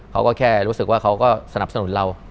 เขาก็แค่รู้สึกว่าเขาก็สนับสนุนเรา